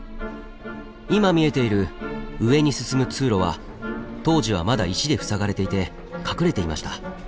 今見えている上に進む通路は当時はまだ石で塞がれていて隠れていました。